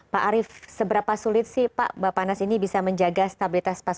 pak arief seberapa sulit sih pak bapak nas ini bisa menjaga stabilitas